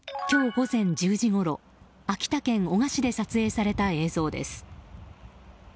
今日午前１０時ごろ秋田県男鹿市で撮影された映像です。